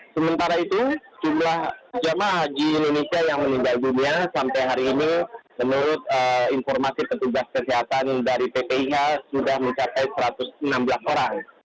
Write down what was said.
sementara itu jumlah jemaah haji indonesia yang meninggal dunia sampai hari ini menurut informasi petugas kesehatan dari ppih sudah mencapai satu ratus enam belas orang